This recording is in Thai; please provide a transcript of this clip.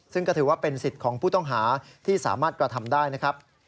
ซึ่งก็ถือว่าเป็นสิทธิ์ของผู้ต้องหาที่สามารถกระทำได้นะครับ